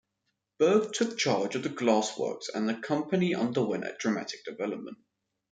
Berg took charge of the glass works, and the company underwent dramatic development.